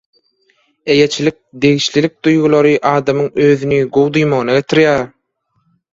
Eýeçilik, degişlilik duýgulary adamyň özüni gowy duýmagyna getirýär.